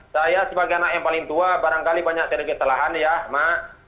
saya sebagai anak yang paling tua barangkali banyak sedikit telahan ya mak